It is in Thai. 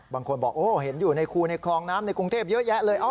บางคนบอกโอ้เห็นอยู่ในคูในคลองน้ำในกรุงเทพเยอะแยะเลย